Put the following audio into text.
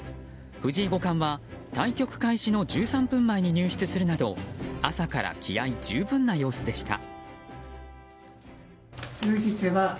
藤井五冠は対局開始の１３分前に入室するなど朝から気合十分な様子でした。